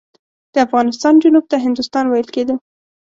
د افغانستان جنوب ته هندوستان ویل کېده.